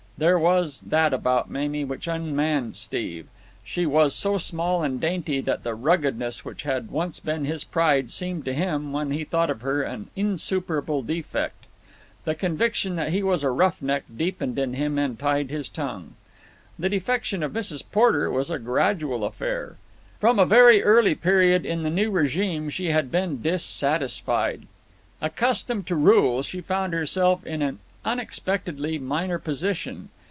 There was that about Mamie which unmanned Steve. She was so small and dainty that the ruggedness which had once been his pride seemed to him, when he thought of her, an insuperable defect. The conviction that he was a roughneck deepened in him and tied his tongue. The defection of Mrs. Porter was a gradual affair. From a very early period in the new regime she had been dissatisfied. Accustomed to rule, she found herself in an unexpectedly minor position.